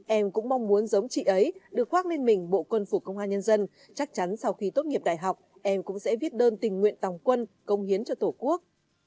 em cũng mong muốn giống chị ấy được khoác lên mình bộ quân phủ công an nhân dân chắc chắn sau khi tốt nghiệp đại học em cũng sẽ viết đơn tình nguyện tòng quân công hiến cho tổ quốc